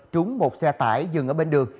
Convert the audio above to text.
trúng một xe tải dừng ở bên đường